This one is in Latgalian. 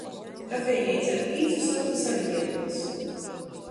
Kafejneicā ir pīcu sortu saļdiejums.